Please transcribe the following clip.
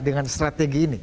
dengan strategi ini